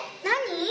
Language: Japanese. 何？